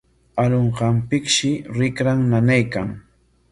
Arunqanpikshi rikran nanaykan.